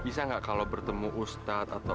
bisa gak kalau bertemu ustadz